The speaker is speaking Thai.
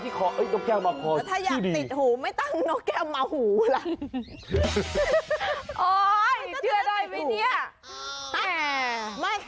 ที่อุตส่าห์ตั้งใจฟัง